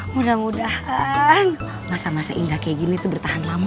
mudah mudahan masa masa indah kayak gini tuh bertahan lama